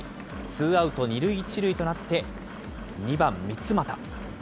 ツーアウト２塁１塁となって、２番三ツ俣。